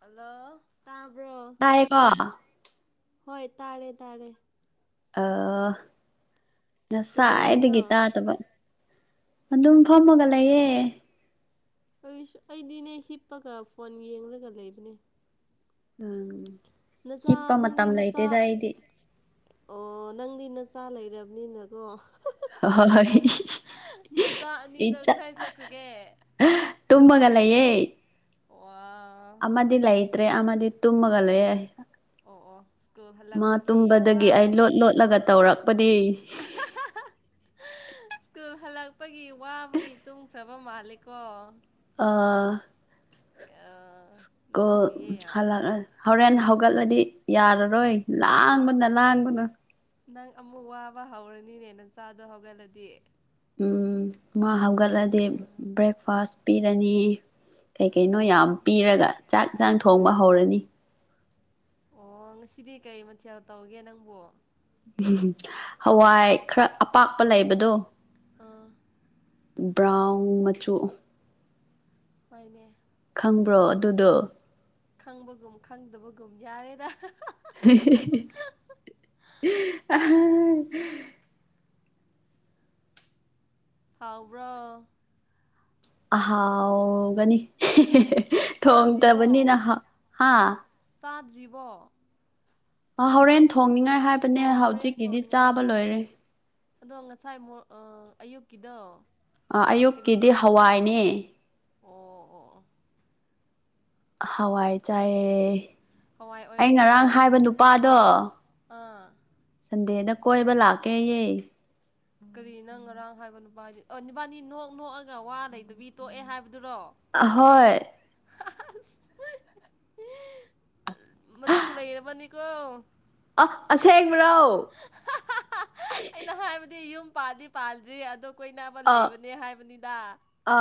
ꯑꯂꯣ ꯑ ꯀꯣ ꯍꯣꯏ ꯇꯥꯔꯦ ꯇꯥꯔꯦ ꯑ ꯅꯁꯥꯏꯗ ꯀꯩꯗꯧꯔꯤꯅꯣ ꯒꯤꯇꯥ ꯇ ꯑꯗꯨꯝ ꯐꯝꯃꯒ ꯂꯩꯌꯦ ꯑꯩꯁꯨ ꯑꯩꯗꯤꯅꯦ ꯍꯤꯞꯄꯒ ꯐꯣꯟ ꯌꯦꯡꯂꯒ ꯂꯩꯕꯅꯦ ꯎꯝ ꯅꯆꯥ ꯍꯤꯞꯄ ꯅꯪꯗꯤ ꯃꯇꯝ ꯅꯆꯥ ꯂꯩꯇꯦꯗ ꯑꯩꯗꯤ ꯑꯣ ꯅꯪꯗꯤ ꯅꯆꯥ ꯂꯩꯔꯕꯅꯤꯅꯀꯣ ꯍ ꯍꯣꯏ ꯅꯆꯥ ꯑꯅꯤꯗꯣ ꯏꯆꯥ ꯀꯗꯥꯏ ꯆꯠꯈ꯭ꯔꯒꯦ ꯇꯕꯒꯂꯌꯦꯦ ꯋꯥ ꯑꯃꯗꯤ ꯂ ꯑꯁ ꯑꯩꯇ꯭ꯔꯦ ꯑꯗꯤ ꯇꯨꯃꯒꯂꯦ ꯑꯣ ꯑꯣ ꯁ꯭ꯀꯨꯜ ꯃꯥ ꯍꯜꯂꯛꯄꯒꯤ ꯋꯥ ꯇꯨꯝꯕꯗꯒꯤ ꯑꯩ ꯂꯣꯠ ꯂꯣꯠꯂꯒ ꯇꯧꯔꯛ ꯄꯗꯤ ꯁ꯭ꯀꯨꯜ ꯍꯜꯂꯛꯄꯒꯤ ꯋꯥꯕꯒꯤ ꯇꯨꯡꯈ꯭ꯔꯕ ꯃꯥꯂꯀꯣ ꯑ ꯅꯨꯡꯁꯤꯌꯦ ꯌꯥꯝ ꯀꯣꯂ ꯍꯣꯔꯦꯟꯦꯟ ꯍꯧ ꯍꯧꯒꯠꯂꯗꯤ ꯌꯥꯔꯔꯣꯏ ꯂꯥꯡꯕꯅ ꯂꯥꯡꯒꯅꯨ ꯅꯪ ꯑꯃꯨꯛ ꯋꯥꯕ ꯍꯧꯔꯅꯤꯅꯦ ꯅ ꯆꯆꯥꯗꯣ ꯍꯧꯒꯠꯂꯗꯤ ꯃꯥ ꯍꯧꯒꯠꯂꯗꯤ ꯕ꯭ꯔꯦꯛꯐꯥꯁ ꯄꯤꯔꯅꯤ ꯀꯩ ꯀꯩꯅꯣ ꯌꯥꯝ ꯑꯣ ꯄꯤꯔꯒ ꯆꯥꯛ ꯆꯥꯡ ꯊꯣꯡꯕ ꯍꯧꯔꯅꯤ ꯑꯣ ꯉꯁꯤꯗꯤ ꯀꯩ ꯃꯊꯦꯜ ꯇꯧꯒꯦ ꯅꯪꯕꯨ ꯎꯝ ꯍꯋꯥꯏ ꯈꯔ ꯑꯄꯥꯛꯄ ꯂꯩꯕꯗꯣ ꯑ ꯕ꯭ꯔꯥꯎꯟ ꯃꯆꯨ ꯐꯅꯦ ꯈꯪꯕ꯭ꯔꯣ ꯑꯗꯨꯗꯣ ꯈꯪꯕꯒꯨꯝ ꯈꯪꯗꯕꯒꯨꯝ ꯌꯥꯔꯦꯗ ꯑ ꯍꯥꯎꯕ꯭ꯔꯣ ꯍꯥꯎꯒꯅꯤ ꯆꯥꯗ꯭ꯔꯤꯕꯣ ꯊꯣꯡꯗꯕꯅꯤꯅ ꯍꯥ ꯖꯤꯕ ꯍꯣꯔꯦꯟ ꯊꯣꯡꯅꯤꯉꯥꯏ ꯍꯥꯏꯕꯅꯦ ꯑꯣ ꯍꯣꯔꯦꯟ ꯍꯧꯖꯤꯛꯀꯤꯗꯤ ꯊꯣꯡꯅꯤꯡꯉꯥꯏ ꯆꯥꯕ ꯂꯣꯏꯔꯦ ꯑꯗꯣ ꯉꯁꯥꯏ ꯑꯌꯨꯛꯀꯤꯗꯣ ꯑ ꯀꯔꯤ ꯑꯌꯨꯛꯀꯤꯗꯤ ꯃꯠ ꯍꯋꯥꯏꯅꯦ ꯑꯣ ꯑꯣ ꯑꯣ ꯍꯋꯥ ꯆ ꯑꯦ ꯍꯋꯥꯏ ꯑꯩ ꯑꯣꯏꯔꯁꯨ ꯉꯔꯥꯡ ꯍꯥꯏꯕ ꯍꯥꯎꯔꯝꯒꯅꯤ ꯅꯨꯄꯥꯗꯣ ꯑꯥ ꯁꯟꯗꯦꯗ ꯀꯣꯏꯕ ꯂꯥ ꯀ ꯌꯦ ꯀꯔꯤ ꯅꯪ ꯉꯔꯥꯡ ꯍꯥꯏꯕ ꯅꯨꯄꯥꯗꯤ ꯑꯣ ꯅꯨꯄꯥꯅꯤ ꯅꯣꯛ ꯅꯣꯛꯑꯒ ꯋꯥ ꯂꯩꯗꯨꯕꯤ ꯇꯣꯛꯑꯦ ꯍꯥꯏꯕꯗꯨ ꯍꯣꯏ ꯑꯁ ꯃꯇꯨ ꯂꯩꯔꯕꯅꯤꯀꯣ ꯑ ꯑꯆꯥꯕ꯭ꯔꯥꯎ ꯑꯩꯅ ꯍꯥꯏꯕꯗꯤ ꯌꯨꯝ ꯄꯥꯗꯤ ꯄꯥꯜ꯭ꯔꯤ ꯑꯣ ꯑ ꯑ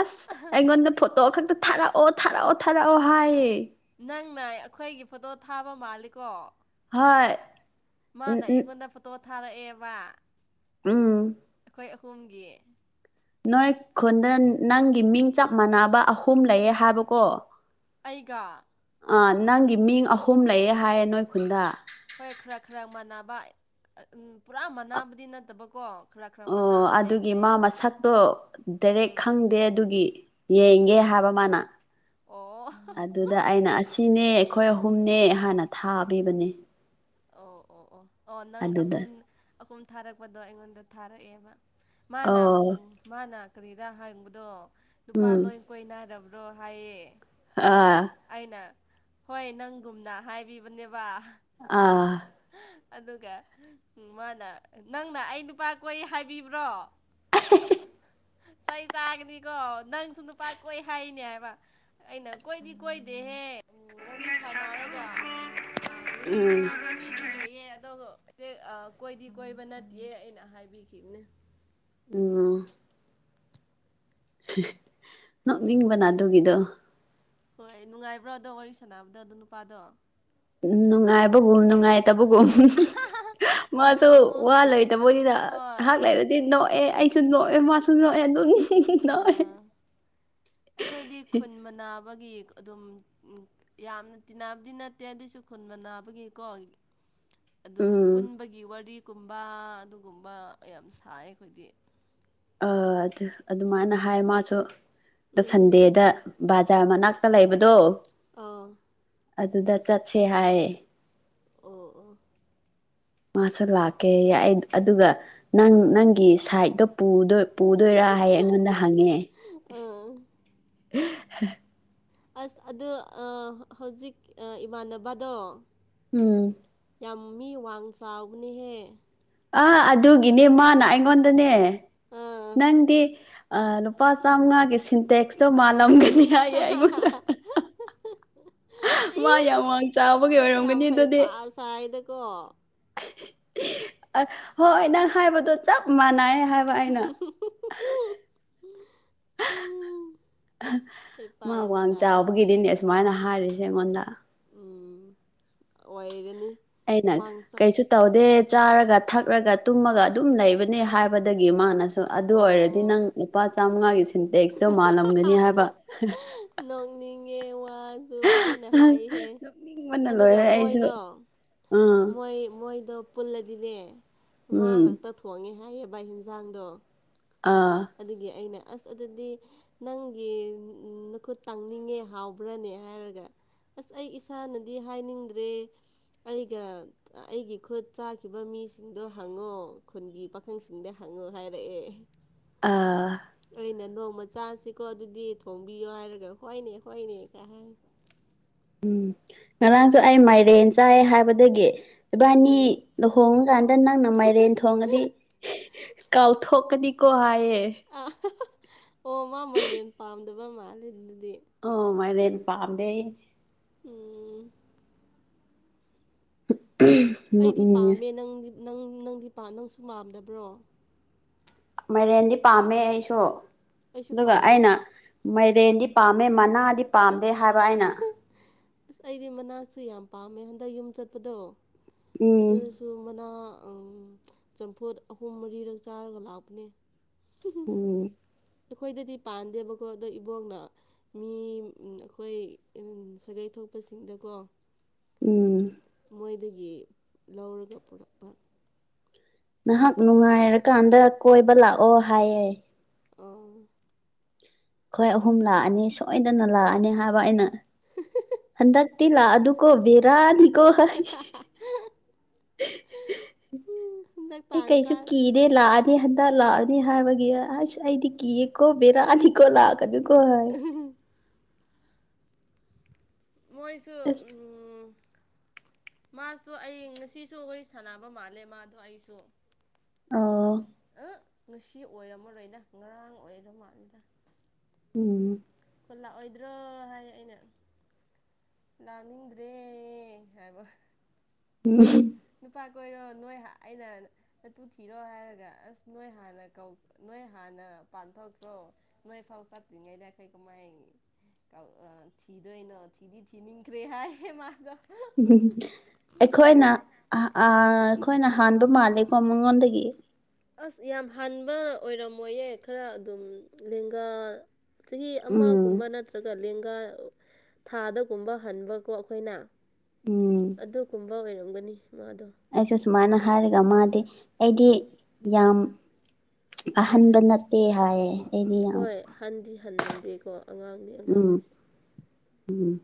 ꯑꯁ ꯑꯩꯉꯣꯟꯗ ꯐꯣꯇꯣ ꯈꯛꯇ ꯊꯥꯔꯛꯑꯣ ꯊꯥꯔꯛꯑꯣ ꯊꯥꯔꯛꯑꯣ ꯍꯥꯏꯌꯦ ꯅꯪꯅ ꯑꯩꯈꯣꯏꯒꯤ ꯐꯣꯇꯣ ꯊꯥꯕ ꯃꯥꯜꯂꯤꯀꯣ ꯍꯣꯏ ꯎꯝ ꯃꯥꯅ ꯎꯝ ꯑꯩꯉꯣꯟꯗ ꯐꯣꯇꯣ ꯊꯥꯔꯛꯑꯦꯕ ꯎꯝ ꯑꯩꯈꯣꯏ ꯑꯍꯨꯝꯒꯤ ꯅꯣꯏ ꯈꯨꯟꯗ ꯅꯪꯒꯤ ꯃꯤꯡ ꯆꯞ ꯃꯥꯟꯅꯕ ꯑꯍꯨꯝ ꯂꯩꯌꯦ ꯍꯥꯏꯕꯀꯣ ꯑꯩꯒ ꯑ ꯅꯪꯒꯤ ꯃꯤꯡ ꯑꯍꯨꯝ ꯂꯩꯌꯦ ꯍꯥꯏꯌꯦ ꯅꯣꯏ ꯈꯨꯟꯗ ꯍꯣꯏ ꯈꯔ ꯈꯔ ꯃꯥꯟꯅꯕ ꯎ ꯄꯨꯔꯥ ꯃꯥꯟꯕꯨꯗꯤ ꯅꯠꯇꯕꯀꯣ ꯈꯔ ꯈꯔ ꯑꯣ ꯃꯥꯟꯅꯕ ꯑꯗꯨꯒꯤ ꯂꯩꯕꯅꯦ ꯃꯥ ꯃꯁꯛꯇꯣ ꯗꯥꯏꯔꯦꯛ ꯎꯝ ꯈꯪꯗꯦ ꯑꯗꯨꯒꯤ ꯌꯦꯡꯒꯦ ꯍꯥꯏꯕ ꯃꯥꯅ ꯑꯣ ꯑꯗꯨꯗ ꯑꯩꯅ ꯑꯁꯤꯅꯦ ꯑꯩꯈꯣꯏ ꯑꯍꯨꯝꯅꯦ ꯍꯥꯏꯥꯟꯅ ꯊꯥꯕꯤꯕꯅꯤ ꯑꯣ ꯑꯣ ꯑꯣ ꯑꯣ ꯅꯪ ꯑꯍꯨꯝ ꯑꯍꯨꯝ ꯊꯥꯔꯛꯄꯗꯣ ꯑꯩꯉꯣꯟꯗ ꯊꯥꯔꯛꯑꯦꯕ ꯃꯥꯅ ꯑꯣ ꯎꯝ ꯃꯥꯅ ꯀꯔꯤꯔꯥ ꯍꯪꯕꯗꯣ ꯅꯨꯄꯥ ꯎꯝ ꯂꯣꯏ ꯀꯣꯏ ꯅꯥꯏꯔꯕ꯭ꯔꯥ ꯔꯍꯌꯦ ꯑꯥ ꯍꯣꯏ ꯅꯪꯒꯨꯝꯅ ꯍꯥꯏꯕꯤꯕꯅꯦꯕ ꯑꯥ ꯑꯗꯨꯒ ꯃꯥꯅ ꯅꯪꯅ ꯑꯩ ꯅꯨꯄꯥ ꯀꯣꯏ ꯍꯥꯏꯕꯤꯕ꯭ꯔꯣ [inaudible] [unintelligible] ꯍ ꯇ ꯆꯥꯒꯅꯤꯀꯣ ꯅꯪꯁꯨ ꯅꯨꯄꯥ ꯀꯣꯏ ꯍꯥꯏꯔꯤꯅꯦ ꯍꯥꯏꯕ ꯑꯩꯅ ꯀꯣꯏꯗꯤ ꯀꯣꯏꯗꯦꯍꯦ ꯎꯟꯅ ꯁ ꯎꯝ ꯌꯦ ꯑ ꯀꯣꯏꯗꯤ ꯀꯣꯏꯕ ꯅꯠꯇꯦ ꯑꯩꯅ ꯍꯥꯏꯕꯤꯈꯤꯕꯅꯦ ꯑꯣ ꯅꯕꯅꯥꯗꯨꯒꯤꯗꯣ ꯍꯣꯏ ꯅꯨꯡꯉꯥꯏꯕ꯭ꯔꯣ ꯑꯗꯣ ꯋꯥꯔꯤ ꯁꯥꯟꯅꯕꯗꯣ ꯑꯗꯣ ꯅꯨꯄꯥꯗꯣ ꯅꯨꯡꯉꯥꯏꯕꯒꯨꯝ ꯅꯨꯡꯉꯥꯏ ꯇꯕꯒꯨꯝ ꯑꯃꯨꯛ ꯃꯥꯁꯨ ꯑꯃꯨꯛ ꯋꯥ ꯂꯩꯇꯕꯣꯏꯅꯤꯅ ꯍꯣꯏ ꯉꯥꯏꯍꯥꯛ ꯂꯩꯔꯗꯤ ꯅꯣꯛꯑꯦ ꯑꯩ ꯁꯨ ꯅꯣꯛꯑꯦ ꯃꯥꯁꯨꯨꯝ ꯅꯣꯛꯑꯦ ꯑꯗꯨ ꯑꯥ ꯑꯩꯈꯣꯏꯗꯤ ꯈꯨꯟ ꯃꯅꯥ ꯒꯤ ꯑꯗꯨꯝ ꯌꯥꯝꯅ ꯇꯤꯟꯅꯕꯗꯤ ꯅꯠꯇꯦ ꯑꯗꯨꯏꯁꯨ ꯈꯨꯟꯕ ꯅꯥꯕꯒꯤꯀꯣ ꯑꯗꯨꯝ ꯎꯝ ꯄꯨꯟꯕꯒꯤ ꯋꯥꯔꯤ ꯀꯨꯝꯕ ꯑꯗꯨꯒꯨꯝꯕ ꯌꯥꯝ ꯁꯥꯏ ꯑꯩꯈꯣꯏꯗꯤ ꯑ ꯑꯗꯨꯃꯥꯏꯅ ꯍꯥꯏ ꯃꯥꯁꯨ ꯎꯝ ꯁꯟꯗꯦꯗ ꯑꯣꯖꯥ [unintelligible] ꯃꯅꯥꯛꯇ ꯂꯩꯕꯗꯣ ꯑꯥ ꯑꯗꯨꯗ ꯆꯠꯁꯦ ꯍꯥꯏꯌꯦ ꯑꯣ ꯑꯣ ꯃꯥꯁꯔ ꯂꯀꯦ ꯑꯗꯨꯒ ꯅꯪ ꯅꯪꯒꯤ ꯁꯥꯏꯠꯇꯣ ꯄꯨꯗꯣꯏꯔꯥ ꯍꯥꯏ ꯑꯩꯉꯣꯟꯗ ꯍꯪꯉꯦ ꯑꯥ [unintelligible] ꯑꯁ ꯑꯗꯨ ꯍꯧꯖꯤꯛ ꯏꯃꯥꯟꯅꯕꯗꯣ ꯎꯝ ꯇꯝꯃꯤ ꯋꯥꯡ ꯆꯥꯎꯥꯎꯅꯤꯍꯦ ꯑ ꯑꯗꯨꯒꯤꯅꯦ ꯃꯥꯅ ꯑꯩꯉꯣꯟꯗꯅꯦ ꯑꯥ ꯅꯪꯗꯤ ꯑ ꯂꯨꯄꯥ ꯆꯥꯝꯉꯥꯒꯤ ꯁꯤꯟꯇꯦꯛꯁꯇꯣ ꯃꯥꯜꯂꯝꯒꯅꯤ ꯍꯥꯏꯌꯦ ꯑꯩꯉꯣꯟꯗ ꯃꯥ ꯌꯥꯝ ꯏꯁ ꯆꯥꯕꯒꯤ ꯑꯣꯏꯔꯝꯒꯅꯤ ꯑꯗꯨꯗꯤ ꯀꯣ ꯍꯣꯏ ꯅꯪ ꯍꯥꯏꯕꯗꯣ ꯆꯞ ꯃꯥꯟꯅꯩ ꯍꯥꯏꯕ ꯑꯩꯅ [unintelligible] ꯍꯩꯄꯥ ꯃꯥ ꯌꯥꯝ ꯋꯥꯡ ꯁꯥꯏ ꯆꯥꯎꯕꯒꯤꯗꯤꯅꯦ ꯑꯁꯨꯃꯥꯏꯅ ꯍꯥꯏꯔꯤꯁꯦ ꯑꯩꯉꯣꯟꯗ ꯑꯣꯏꯔꯅꯤ ꯑꯩꯅ ꯋꯥꯡꯆꯥꯛ ꯀꯩꯁꯨ ꯇꯧꯗꯦ ꯆꯥꯔꯒ ꯊꯛꯂꯒ ꯇꯨꯝꯃꯒ ꯑꯗꯨꯝ ꯂꯩꯕꯅꯦ ꯍꯥꯏꯕꯗꯒꯤ ꯃꯥꯅꯁꯨ ꯑꯗꯨ ꯑꯣꯏꯔꯗꯤ ꯅꯪ ꯑꯣ ꯂꯨꯄꯥ ꯆꯥꯝꯉꯥꯒꯤ ꯁꯤꯟꯇꯦꯛꯁꯇꯣ ꯃꯥꯜꯂꯝꯒꯅꯤ ꯍꯥꯏꯕ ꯅꯣꯛꯅꯤꯡꯉꯦ ꯐꯖꯅ ꯍꯥꯏꯍꯦ ꯅꯣꯛꯅꯤꯡꯕꯅ ꯑꯗꯨꯒ ꯂꯣꯏꯔꯦ ꯑꯩꯁꯨ ꯃꯣꯏꯗꯣ ꯑꯥ ꯃꯣꯏ ꯃꯣꯏꯗ ꯄꯨꯜꯂꯗꯤꯅꯦ ꯃꯥ ꯎꯝ ꯈꯛꯇ ꯊꯣꯡꯉꯦ ꯍꯥꯏꯌꯦꯕ ꯌꯦꯟꯖꯥꯡꯗꯣ ꯑꯥ ꯑꯗꯨꯒꯤ ꯑꯩꯅ ꯑꯁ ꯑꯗꯨꯗꯤ ꯅꯪꯒꯤ ꯅꯨꯠ ꯇꯥꯡꯅꯤꯡꯉꯦ ꯍꯥꯎꯕ꯭ꯔꯅꯦ ꯍꯥꯏꯔꯒ ꯑꯁ ꯑꯩ ꯏꯁꯥꯅꯗꯤ ꯍꯥꯏꯅꯤꯡꯗ꯭ꯔꯦ ꯑꯩꯒ ꯑꯩꯒꯤ ꯈꯨꯠ ꯆꯥꯈꯤꯕ ꯃꯤꯁꯤꯡꯗꯣ ꯍꯪꯉꯣ ꯈꯨꯟꯒꯤ ꯄꯥꯈꯪꯁꯤꯡꯗ ꯍꯪꯉꯣ ꯎ ꯍꯥꯏꯔꯛꯑꯦ ꯑꯥ ꯑꯩꯅ ꯅꯣꯡꯃ ꯆꯥꯁꯤꯀꯣ ꯑꯗꯨꯗꯤ ꯊꯣꯡꯕꯤꯌꯣ ꯍꯥꯏꯔꯒ ꯍꯣꯏꯅꯦ ꯍꯣꯏꯅꯦ ꯀꯥꯏ ꯍꯥꯏ [unintelligible] ꯎꯝ ꯉꯔꯥꯡꯁꯨ ꯑꯩ ꯃꯥꯏꯔꯦꯟ ꯆꯥꯏ ꯍꯥꯏꯕꯗꯒꯤ ꯏꯕꯥꯅꯤ ꯎꯝ ꯂꯨꯍꯣꯡꯉꯀꯥꯟꯗ ꯅꯪꯅ ꯃꯥꯏꯔꯦꯟ ꯊꯣꯡꯉꯗꯤ ꯀꯥꯎꯊꯣꯛꯀꯗꯤ ꯀꯣ ꯍꯌꯦ ꯑꯥ ꯑꯣ ꯃꯥ ꯃꯩꯗꯦꯟ ꯄꯥꯝꯗꯕ ꯃꯥꯂꯦ ꯑꯣ ꯃꯥꯏꯔꯦꯟ ꯄꯥꯝꯗꯦ ꯎꯝ ꯑꯩꯗꯤ ꯅꯣꯛꯅꯤꯡꯉꯦ ꯄꯥꯝꯃꯦ ꯅꯪꯗꯤ ꯅꯪ ꯅꯪꯗꯤ ꯄꯥ ꯅꯪꯁꯨ ꯄꯥꯝꯗꯕ꯭ꯔꯣ ꯃꯥꯏꯔꯦꯟꯗꯤ ꯄꯥꯝꯃꯦ ꯑꯩꯁꯨ ꯑꯩꯁꯨ ꯑꯗꯨꯒ ꯄꯥꯝꯃꯤꯗ ꯑꯩꯅ ꯃꯥꯏ ꯔꯦꯟꯗꯤ ꯄꯥꯝꯃꯦ ꯃꯥꯗꯤ ꯄꯥꯝꯗꯦ ꯍꯥꯏꯕ ꯑꯩꯅ ꯑꯁ ꯑꯩꯗꯤ ꯃꯅꯥꯁꯨ ꯌꯥꯝ ꯄꯥꯝꯃꯦ ꯍꯟꯗꯛ ꯌꯨꯝ ꯆꯠꯄꯗꯣ ꯎꯝ ꯑꯗꯨꯁꯨ ꯃꯅꯥ ꯑꯧ ꯆꯝꯐꯨꯠ ꯑꯍꯨꯝ ꯃꯔꯤꯔꯛ ꯆꯥꯔꯒ ꯂꯥꯛꯄꯅꯦ ꯎꯝ ꯑꯩꯈꯣꯏꯗꯗꯤ ꯄꯥꯟꯗꯦꯕꯀꯣ ꯑꯗꯣ ꯏꯕꯣꯛꯅ ꯃꯤ ꯑꯩꯈꯣꯏ ꯁꯥꯒꯩ ꯊꯣꯛ ꯑꯇꯣꯞꯄ ꯁꯤꯡꯗꯀꯣ ꯎꯝ ꯌꯦ ꯂꯧꯔꯒ ꯄꯨꯔꯛꯄ ꯅꯍꯥꯛ ꯅꯨꯡꯉꯥꯏꯔꯀꯥꯟꯗ ꯀꯣꯏꯕ ꯂꯥꯛꯑꯣ ꯍꯥꯏꯌꯦ ꯑꯥ ꯑꯩꯈꯣꯏ ꯑꯍꯨꯝ ꯂꯥꯛꯑꯅꯤ ꯁꯣꯏꯗꯅ ꯂꯥꯛꯑꯅꯤ ꯍꯥꯏꯕ ꯑꯩꯅ ꯍꯟꯗꯛ ꯇꯤ ꯂꯥꯛꯑꯅꯨꯀꯣ ꯕꯦꯔꯥꯅꯤꯀꯣ ꯍꯥꯏ ꯎꯝ ꯍꯟꯗꯛ ꯑꯩ ꯇꯥꯟ ꯀꯩꯁꯨ ꯆꯥ ꯀꯤꯗꯦ ꯂꯥꯛꯑꯅꯤ ꯍꯟꯗꯛ ꯂꯥꯛꯑꯅꯤ ꯍꯥꯏꯕꯒꯤ ꯑꯁ ꯑꯩꯗꯤ ꯀꯤꯌꯦꯀꯣ ꯕꯦꯔꯥꯅꯤꯀꯣ ꯂꯥꯛꯀꯅꯨꯀꯣ ꯍꯥꯏ ꯃꯣꯏꯁꯨ ꯑꯁ ꯎꯝ ꯃꯥꯁꯨ ꯑꯩ ꯉꯁꯤꯁꯨ ꯋꯥꯔꯤ ꯁꯥꯟꯅꯕ ꯃꯥꯜꯂꯦ ꯃꯥꯗꯣ ꯑꯩꯁꯨ ꯑꯣ ꯑ ꯉꯁꯤ ꯑꯣꯏꯔꯝꯃꯔꯣꯏꯅ ꯉꯔꯥꯡ ꯑꯣꯏꯔ ꯃꯥꯜꯂꯦꯗ ꯎꯝ ꯂꯥꯛꯑꯣꯏꯗ꯭ꯔꯣ ꯍꯥꯏ ꯑꯩꯅ ꯂꯥꯛꯅꯤꯡꯗ꯭ꯔꯦ ꯍꯥꯏꯕ [unintelligible] ꯀꯩꯅꯣ ꯅꯣꯏ ꯑꯩꯅ ꯅꯇꯨ ꯊꯤꯔꯣ ꯍꯥꯏꯔꯒ ꯑꯁ ꯅꯣꯏ ꯍꯥꯟꯅ ꯀꯧ ꯅꯣꯏ ꯍꯥꯟꯅ ꯄꯥꯟꯊꯣꯛ ꯔꯣ ꯅꯣꯏ ꯐꯥꯎ ꯆꯠꯇꯔꯤꯉꯩꯗ ꯑꯈꯣꯏ ꯀꯃꯥꯏ ꯑ ꯊꯤꯗꯣꯏꯅꯣ ꯊꯤꯗꯤ ꯊꯤꯅꯤꯡꯈ꯭ꯔꯦ ꯍꯥꯏꯌꯦ ꯃꯥꯗꯣ [unintelligible] ꯑꯩꯈꯣꯏꯅ ꯑꯥ ꯑꯩꯈꯣꯏꯅ ꯍꯥꯟꯕ ꯃꯥꯜꯂꯦꯀꯣ ꯃꯉꯣꯟꯗꯒꯤ ꯑꯁ ꯌꯥꯝ ꯍꯥꯟꯕ ꯑꯣꯏꯔꯝꯃꯣꯏꯌꯦ ꯈꯔ ꯑꯗꯨꯝ ꯂꯦꯡꯒꯥ ꯆꯍꯤ ꯎꯝ ꯑꯃꯒꯨꯝꯕ ꯅꯠꯇ꯭ꯔꯒ ꯂꯦꯡꯒꯥ ꯊꯥꯗꯒꯨꯝꯕ ꯍꯟꯕꯀꯣ ꯑꯩꯈꯣꯏꯅ ꯎꯝ ꯑꯗꯨꯒꯨꯝꯕ ꯑꯣꯏꯔꯝꯒꯅꯤ ꯃꯥꯗꯣ ꯑꯩꯁꯨ ꯁꯨꯃꯥꯏꯅ ꯍꯥꯏꯔꯒ ꯃꯥꯗꯤ ꯑꯩꯗꯤ ꯌꯥꯝ ꯑꯍꯟꯕ ꯅꯠꯇꯦ ꯍꯥꯏꯌꯦ ꯑꯩꯗꯤ ꯌꯥꯝ ꯍꯣꯏ ꯍꯟꯗꯤ ꯍꯟꯗꯦꯀꯣ ꯑꯉꯥꯡꯅꯤ ꯎꯝ ꯑꯉꯥꯡꯅꯤ ꯎꯝ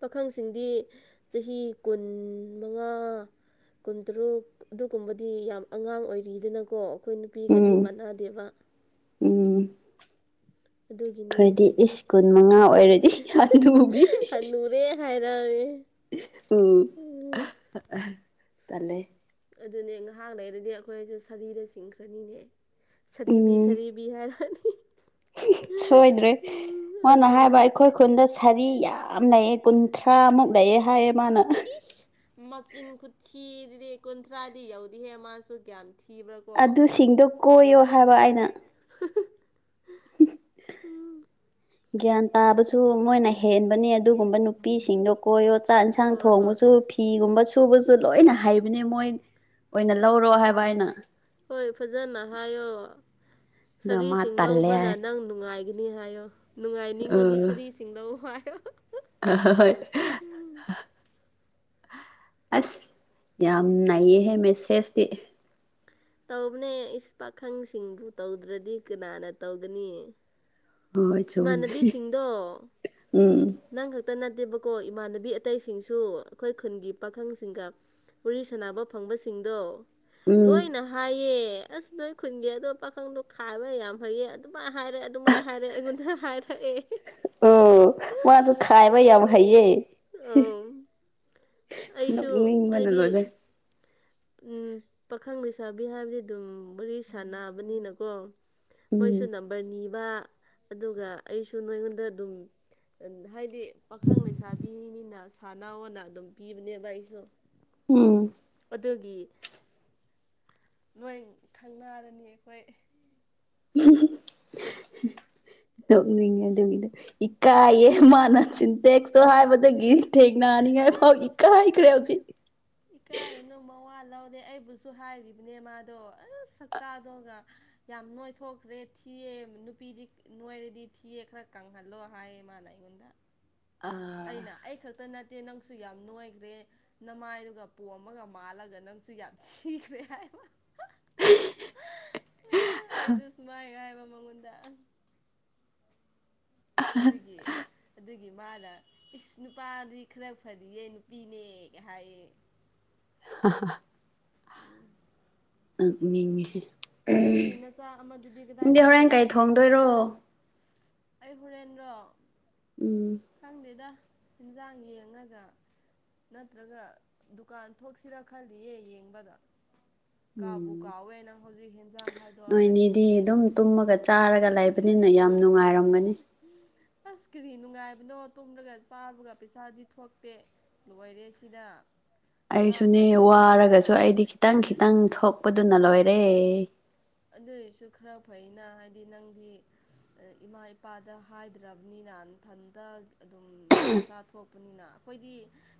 ꯄꯥꯈꯪꯁꯤꯡꯗꯤ ꯆꯍꯤ ꯀꯨꯟ ꯃꯉꯥ ꯀꯨꯟꯇꯔꯨꯛ ꯑꯗꯨꯒꯨꯝꯕꯗꯤ ꯌꯥꯝ ꯑꯉꯥꯡ ꯑꯣꯏꯔꯤꯗꯅꯀꯣ ꯑꯩꯈꯣꯏ ꯅꯨꯄꯤꯒꯗꯤ ꯎꯝ ꯃꯅꯥꯗꯦꯕ ꯎꯝ ꯑꯗꯨꯒꯤꯅꯤ ꯈꯣꯏꯗꯤ ꯏꯁ ꯀꯨꯟ ꯃꯉꯥ ꯑꯣꯏꯔꯗꯤ [unintelligible] ꯂꯨꯕꯤ ꯍꯟꯅꯨꯔꯦ [unintelligible] ꯎꯝ ꯎꯝ, ꯇꯜꯂꯦ ꯑꯗꯨꯅꯦ ꯉꯥꯏꯍꯥꯛ ꯂꯩꯔꯗꯤ ꯑꯩꯈꯣꯏꯁꯦ ꯁꯥꯔꯤꯗ ꯆꯤꯡꯈ꯭ꯔꯅꯤꯅꯦ ꯁꯔꯤꯕꯤ ꯎꯝ ꯁꯔꯤꯕꯤ ꯍꯥꯏꯔꯅꯤ ꯁꯣꯏꯗ꯭ꯔꯦ ꯎꯝ, ꯃꯥꯏꯅ ꯑꯗꯨꯅꯦ ꯍꯥꯏꯕ ꯑꯩꯈꯣꯏ ꯈꯨꯟꯗ ꯁꯥꯔꯤ ꯌꯥꯝ ꯂꯩꯌꯦ ꯀꯨꯟꯊ꯭ꯔꯥꯃꯨꯛ ꯂꯩꯌꯦ ꯍꯥꯏꯌꯦ ꯃꯥꯅ ꯏꯁ ꯃꯆꯤꯟ ꯈꯨꯊꯤꯗꯨꯗꯤ ꯀꯨꯟꯊ꯭ꯔꯥꯗꯤ ꯌꯧꯗꯤꯍꯦ ꯃꯥꯁꯨ ꯒ꯭ꯌꯥꯟ - ꯊꯤꯕ꯭ꯔꯥ ꯀꯣ ꯑꯗꯨꯁꯤꯡꯗꯣ ꯀꯣꯏꯌꯣ ꯍꯥꯏꯕ ꯑꯩꯅ [unintelligible] ꯎꯝ ꯒ꯭ꯌꯥꯟ ꯇꯥꯕꯁꯨ ꯃꯣꯏꯅ ꯍꯦꯟꯕꯅꯤ ꯑꯗꯨꯒꯨꯝꯕ ꯅꯨꯄꯤꯁꯤꯡꯗꯣ ꯀꯣꯏꯌꯣ ꯆꯥꯛ ꯖꯥꯠ ꯌꯦꯟꯁꯥꯡ ꯍꯣꯏ ꯍꯣꯏ ꯊꯣꯡꯕꯁꯨ ꯐꯤꯒꯨꯝꯕ ꯁꯨꯕ ꯁꯨ ꯂꯣꯏꯅ ꯍꯩꯕꯅꯦ ꯃꯣꯏ ꯑꯣꯏꯅ ꯂꯧꯔꯣ ꯍꯥꯏꯕ ꯍꯥꯏꯅ ꯍꯣꯏ ꯐꯖꯅ ꯍꯥꯏꯌꯣ ꯑꯗꯣ ꯃꯥ ꯁꯥꯔꯤꯁꯤꯡ ꯇꯜꯂꯦ ꯂꯧꯕꯅ ꯍꯥꯏ ꯅꯪ ꯅꯨꯡꯉꯥꯏꯈꯤ ꯅꯤ ꯍꯥꯏꯌꯣ ꯅꯨꯡꯉꯥꯏꯅꯤꯡꯉꯗꯤ ꯁꯔꯤꯁꯤꯡꯗ ꯋꯥꯏ ꯑ ꯍꯣꯏ ꯑꯁ ꯌꯥꯝ ꯅꯥꯏꯌꯦꯍꯦ ꯃꯦꯁꯦꯖꯇꯤ ꯇꯧꯕꯅꯦ ꯏꯁ ꯄꯥꯈꯪꯁꯤꯡꯕꯨ ꯇꯧꯗ꯭ꯔꯗꯤ ꯀꯅꯥꯅ ꯇꯧꯒꯅꯤꯌꯦ ꯍꯣꯏ ꯆꯨꯝꯃꯦ ꯏꯃꯥꯟꯅꯕꯤꯁꯤꯡꯗꯣ ꯎꯝ ꯅꯪ ꯈꯛꯇ ꯅ ꯠꯇꯦꯕꯀꯣ ꯏꯃꯥꯟꯅꯕꯤ ꯑꯇꯩꯁꯤꯡꯁꯨ ꯑꯩꯈꯣꯏ ꯈꯨꯟꯒꯤ ꯄꯥꯈꯪꯁꯤꯡꯒ ꯋꯥꯔꯤ ꯁꯥꯟꯅꯕ ꯐꯪꯕꯁꯤꯡ ꯗꯣ ꯎꯝ ꯂꯣꯏꯅ ꯍꯥꯏꯌꯦ ꯑꯁ ꯅꯣꯏ ꯈꯨꯟꯒꯤꯦ ꯑꯗꯣ ꯄꯥꯈꯪꯗꯣ ꯈꯥꯏꯕ ꯌꯥꯝ ꯐꯩꯌꯦ ꯑꯗꯨꯃꯥꯏꯅ ꯍꯥꯏꯔꯦ ꯑꯗꯨꯃꯥꯏꯅ ꯍꯥꯏꯔꯦ ꯑꯩꯉꯣꯟ ꯍꯥꯏꯔꯑ ꯑꯣ ꯃꯥꯁꯨ ꯈꯥꯏꯕꯩ ꯌꯥ ꯍꯥꯏꯏꯌꯦ ꯑꯪ ꯅ ꯅꯤꯡꯕꯅ ꯂꯣꯏꯅ ꯎ ꯄꯥꯈꯪ ꯂꯩꯁꯥꯕꯤ ꯍꯥꯏꯕꯗꯤ ꯑꯗꯨꯝ ꯋꯥꯔꯤ ꯁꯥꯟꯅꯕꯅꯤꯅꯀꯣ ꯃꯣꯏꯁꯨ ꯎꯝ ꯅꯝꯕꯔ ꯅꯤꯕ ꯑꯗꯨꯒ ꯑꯩꯁꯨ ꯅꯉꯣꯟꯗ ꯑꯗꯨꯝ ꯍꯥꯏꯗꯤ ꯄꯥꯈꯪ ꯂꯩꯁꯥꯕꯤꯅꯤꯅ ꯁꯥꯥꯟꯅꯥꯎꯅ ꯑꯗꯨꯝ ꯄꯤꯕꯅꯦꯕ ꯑꯩꯁꯨ ꯎꯝ ꯑꯗꯨꯒꯤ ꯅꯣꯏ ꯈꯪꯅꯥꯔꯅꯤ ꯑꯩꯈꯣꯏ ꯅꯣꯛꯅꯤꯡꯉ ꯑꯗꯨ ꯃꯤꯗ ꯏꯀꯥꯏꯌꯦ ꯃꯥꯅ ꯆꯤꯟꯇꯦꯛ ꯍꯥꯏꯕ ꯑꯗ ꯒꯤ ꯊꯦꯡꯀꯅꯅꯤ ꯍꯥꯏ ꯄꯥꯎ ꯏꯥ ꯍꯥ ꯏꯔꯦ ꯎꯆꯁꯤ ꯍꯂꯧꯅꯦ ꯑꯩꯕꯨꯁꯨ ꯍꯥꯏꯔꯤꯕꯅꯦ ꯃꯥꯗꯣ ꯑꯁ ꯁꯛꯛꯇꯇꯥꯗꯣꯒ ꯌꯥꯝ ꯅꯣꯏꯊꯣꯛꯈ꯭ꯔꯦ ꯊꯤꯌꯦ ꯅꯨꯄꯤꯗꯤ ꯅꯣꯏꯔꯗꯤ ꯊꯤꯌꯦ ꯈꯔ ꯀꯪꯍꯜꯂꯣ ꯍꯥꯏ ꯃꯥ ꯂꯩ ꯑꯩꯉꯣꯟꯗ ꯑꯥ ꯑꯩꯅ ꯑꯩ ꯈꯛꯇ ꯅꯠꯇ ꯅꯠꯇꯦ ꯅꯪꯁꯨ ꯌꯥꯝ ꯅꯣꯏꯈ꯭ꯔꯦ ꯅꯃꯥꯏꯗꯨꯒ ꯄꯣꯝꯃꯒ ꯃꯥꯜꯂꯒ ꯅꯪꯁꯨ ꯌꯥꯝ ꯊꯤꯈ꯭ꯔꯦ ꯍꯥꯏꯕ ꯑ ꯑꯩꯁꯨ ꯁꯃꯥꯏꯒ ꯃꯉꯣꯟꯗ ꯍꯧꯒꯤ ꯑꯗꯨꯗꯒꯤ ꯃꯥꯅ ꯏꯁ ꯅꯨꯄꯥꯗꯤ ꯈꯔ ꯐꯔꯤꯑ ꯅꯨꯄꯤꯅꯦ ꯍꯥꯏꯌꯦ ꯍ ꯎ ꯃꯤ ꯅꯪꯒꯤ ꯅꯆꯥ ꯑꯃꯗꯨꯗꯤ ꯀꯗꯥꯏ ꯆꯠꯈ꯭ꯔꯦ ꯍꯣꯔꯦꯟ ꯀꯩ ꯍꯥꯏꯕ꯭ꯔꯣ ꯊꯣꯡꯗꯣꯏꯔꯣ ꯑꯩ ꯍꯨꯔꯦꯟꯗ꯭ꯔꯣ ꯎꯝ ꯈꯪꯗꯦꯗ ꯌꯦꯟꯖꯥꯡ ꯌꯦꯡꯉꯒ ꯅꯠꯇ꯭ꯔꯒ ꯗꯨꯀꯥꯟ ꯊꯣꯛꯁꯤꯔꯥ ꯈꯜꯗꯤꯌꯦ ꯌꯦꯡꯕꯗ ꯀꯥꯕꯨ ꯎꯝ ꯀꯥꯎꯋꯦ ꯅꯪ ꯍꯧꯖꯤꯛ ꯍꯦꯟꯖꯥꯡ ꯍꯥꯏꯥꯏꯗꯣꯛꯑꯒ ꯅꯣꯏꯅꯤꯗꯤ ꯅꯤꯡꯁꯤꯡꯉꯦ ꯑꯩꯅ ꯌꯥꯝ ꯅꯨꯡꯉꯥꯏꯔꯝꯒꯅꯤ ꯑ ꯁꯀ꯭ꯔꯤꯟꯅꯨꯡꯥꯏ ꯃꯤꯅꯣ ꯇꯨꯝꯂꯒ ꯆꯥꯕꯒ ꯄꯩꯁꯥꯗꯤ ꯊꯣꯛꯇꯦ ꯂꯣꯏꯔꯦ ꯁꯤꯅ ꯑꯩꯁꯨꯅꯦ ꯋꯥꯔꯒꯁꯨ ꯑꯩꯗꯤ ꯈꯤꯇꯪ ꯈꯤꯇꯪ ꯊꯣꯛꯄꯗꯨꯅ ꯂꯣꯏꯔꯦ ꯑꯗꯨꯏꯁꯨ ꯈꯔ ꯐꯩꯅ ꯍꯥꯏꯗꯤ ꯅꯪꯗꯤ ꯏꯃꯥ ꯏꯄꯥꯗ ꯍꯥꯏꯗ꯭ꯔꯕꯅꯤꯅ ꯏꯊꯟꯇ ꯑꯗꯨꯝ ꯄꯩꯁꯥ ꯊꯣꯛꯄꯅꯤꯅ ꯑꯩꯈꯣꯏꯗꯤ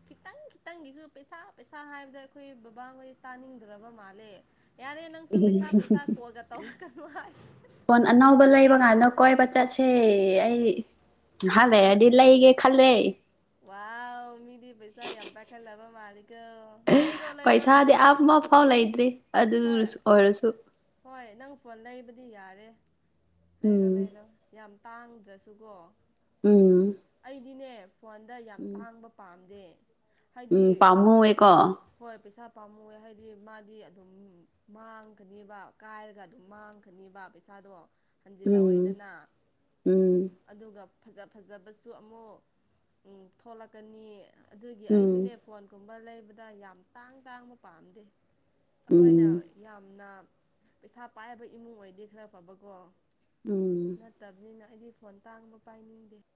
ꯈꯤꯇꯪ ꯈꯤꯇꯪꯒꯤꯁꯨ ꯄꯩꯁꯥ ꯄꯩꯁꯥ ꯍꯥꯏꯕꯗ ꯑꯩꯈꯣꯏ ꯕꯕꯥꯍꯣꯏꯗꯤ ꯇꯥꯅꯤꯡꯗ꯭ꯔꯕ ꯃꯥꯜꯂꯦ ꯌꯥꯔꯦ ꯅꯪꯁꯨ ꯄꯩꯁꯥ ꯄꯩꯁꯥ ꯀꯣꯜꯒ ꯇꯧꯔꯛꯀꯅꯨ ꯍꯥꯏ ꯍꯣꯟ ꯑꯅꯧꯕ ꯂꯩꯕ ꯀꯥꯟꯗ ꯀꯣꯏꯕ ꯆꯁꯦ ꯑꯩ ꯍꯗꯔꯗꯤ ꯂꯩꯒꯦ ꯈꯜꯂꯦ ꯋꯥꯃꯤꯗꯤ ꯄꯩꯁꯥ ꯌꯥꯝ ꯄ ꯈꯔꯗꯕ ꯃꯥ ꯄꯩꯁꯥꯗꯤ ꯑꯃꯐꯥꯎ ꯂꯩꯇ꯭ꯔꯤ ꯑꯗꯨ ꯍꯣꯏ ꯑꯣꯏꯔꯁꯨ ꯍꯣꯏ ꯅꯪ ꯐꯣꯟ ꯂꯩꯕꯗꯤ ꯌꯥꯔꯦ ꯂꯩꯔꯣ ꯎꯝ ꯂꯩꯔꯣ ꯌꯥꯝ ꯇꯥꯡꯗ꯭ꯔꯁꯨꯀꯣ ꯎꯝ ꯑꯩꯗꯤꯅꯦ ꯐꯣꯟꯗ ꯌꯥꯝ ꯎꯝ ꯇꯥꯡꯕ ꯄꯥꯝꯗꯦ ꯎꯝ ꯍꯥꯏꯗꯤ ꯄꯥꯝꯨꯋꯦꯀꯣ ꯄꯥꯝꯃꯨꯣꯏ ꯍꯥꯏꯗꯤ ꯃꯥꯗꯤ ꯑꯗꯨꯝ ꯃꯥꯡꯒꯅꯤꯕ ꯀꯥꯏꯔꯒ ꯑꯗꯨꯝ ꯃꯥꯡꯒꯅꯤꯕ ꯄꯩꯁꯥ ꯎꯝ ꯍꯟꯜꯂꯛꯑꯣꯏꯗꯅ ꯎꯝ ꯑꯗꯨꯒ ꯐꯖ ꯐꯖ ꯐ ꯎꯝ ꯊꯤꯕꯗ ꯌꯥꯝ ꯇꯥꯡ ꯇꯥꯡꯕ ꯄꯥꯝꯗꯦ ꯑꯩꯈꯣꯏꯅ ꯎꯝ ꯌꯥꯝꯅ ꯄꯩꯁꯥ ꯄꯥꯏꯕ ꯏꯃꯨꯡ ꯑꯣꯏꯗꯤ ꯈꯔ ꯐꯕꯀꯣ ꯎꯝ ꯅꯠꯇꯕꯅꯤꯅ ꯑꯩꯗꯤ ꯐꯣꯟ ꯇꯥꯡꯕ ꯄꯥꯏꯅꯤꯡꯗꯦ